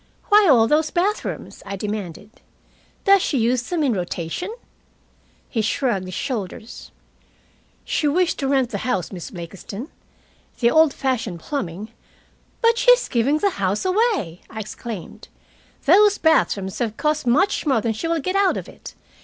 "Why all those bathrooms?" I demanded. "Does she use them in rotation?" He shrugged his shoulders. "She wished to rent the house, Miss Blakiston. The old fashioned plumbing " "But she is giving the house away," I exclaimed. "Those bathrooms have cost much more than she will get out of it.